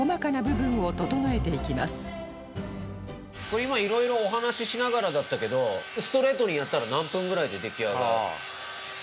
これ今色々お話ししながらだったけどストレートにやったら何分ぐらいで出来上がる？